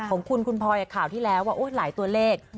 ของคุณคุณพลอยข่าวที่แล้วว่าหลายตัวเลข